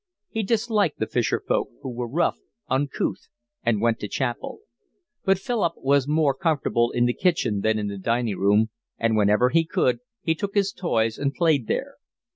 He disliked the fisher folk, who were rough, uncouth, and went to chapel. But Philip was more comfortable in the kitchen than in the dining room, and, whenever he could, he took his toys and played there.